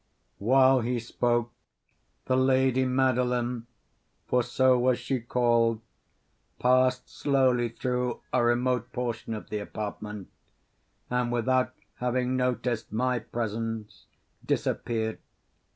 While he spoke, the lady Madeline (for so was she called) passed slowly through a remote portion of the apartment, and, without having noticed my presence, disappeared.